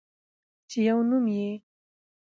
چې يو نوم يې